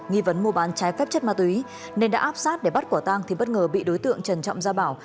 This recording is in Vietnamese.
nghi vấn mua bán trái phép chất ma túy nên đã áp sát để bắt quả tang thì bất ngờ bị đối tượng trần trọng gia bảo